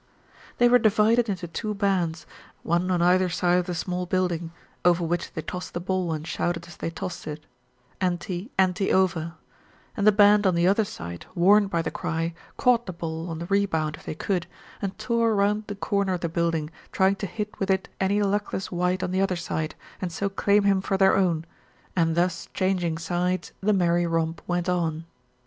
They were divided into two bands, one on either side of the small building, over which they tossed the ball and shouted as they tossed it, "Anty, anty over"; and the band on the other side, warned by the cry, caught the ball on the rebound if they could, and tore around the corner of the building, trying to hit with it any luckless wight on the other side, and so claim him for their own, and thus changing sides, the merry romp went on.